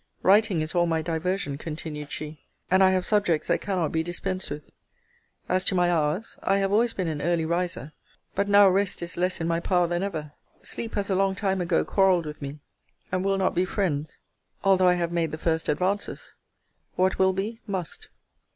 Writing is all my diversion, continued she: and I have subjects that cannot be dispensed with. As to my hours, I have always been an early riser: but now rest is less in my power than ever. Sleep has a long time ago quarreled with me, and will not be friends, although I have made the first advances. What will be, must.